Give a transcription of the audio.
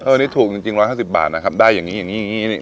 เออนี่ถูกจริงจริงร้อยห้าสิบบาทนะครับได้อย่างงี้อย่างงี้อย่างงี้